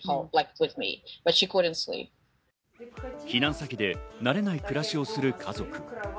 避難先で慣れない暮らしをする家族。